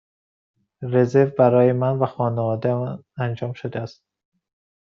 رزرو برای من و خانواده ام انجام شده است.